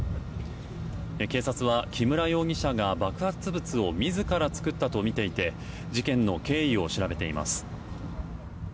警察は、木村容疑者が爆発物を自ら作ったとみていて事件の経緯を調べています。